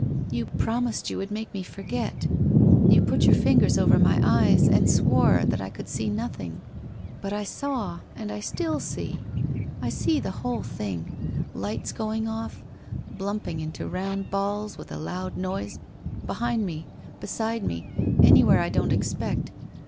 ' You promised you would make me forget. You put your fingers over my eyes, and swore that I could see WHITE ROSE OF WEARY LEAF 263 nothing. But I saw — I still see. I see the whole thing. Lights going off — Humping into round balls, with a loud noise, behind me — beside me — anywhere I don't ex pect.